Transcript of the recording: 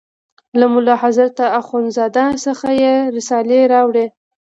له ملا حضرت اخوند زاده څخه یې رسالې راوړې.